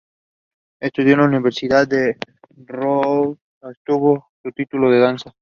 Estudió en la Universidad Rutgers, donde obtuvo su título de Danza.